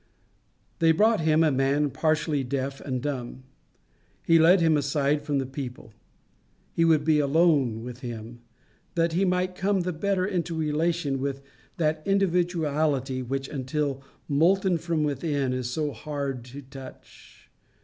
They brought him a man partially deaf and dumb. He led him aside from the people: he would be alone with him, that he might come the better into relation with that individuality which, until molten from within, is so hard to touch.